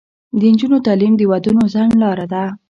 د نجونو تعلیم د ودونو ځنډ لاره ده.